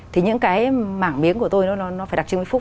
thì những cái mảng miếng của tôi nó phải đặc trưng vĩnh phúc